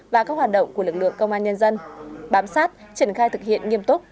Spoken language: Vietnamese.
và các hoạt động của lực lượng công an nhân dân bám sát triển khai thực hiện nghiêm túc